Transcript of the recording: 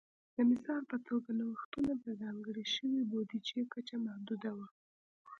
د مثال په توګه نوښتونو ته ځانګړې شوې بودیجې کچه محدوده وه